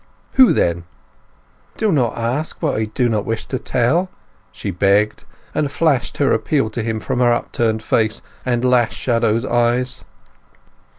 "Who, then?" "Do not ask what I do not wish to tell!" she begged, and flashed her appeal to him from her upturned face and lash shadowed eyes.